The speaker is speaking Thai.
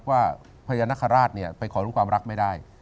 ว่าพญานาคาราชไปขอรู้ความรักไม่ได้